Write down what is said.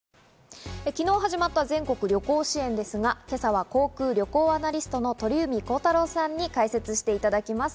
昨日始まった全国旅行支援ですが、今朝は航空・旅行アナリストの鳥海高太朗さんに解説していただきます。